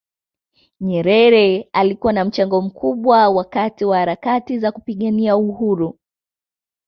nyerere alikuwa na mchango mkubwa wakati wa harakati za kupigania uhuru